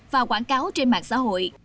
và quảng cáo trên mạng xã hội